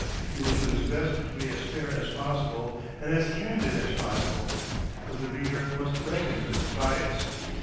He will do his best to be as fair as possible and as candid as possible, but the reader must reckon with this bias.